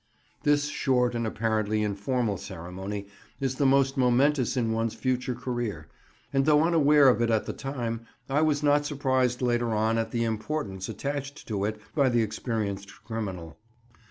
This short and apparently informal ceremony is the most momentous in one's future career, and though unaware of it at the time, I was not surprised later on at the importance attached to it by the experienced criminal.